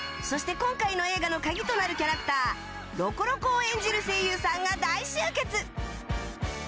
そして今回の映画の鍵となるキャラクターロコロコを演じる声優さんが大集結！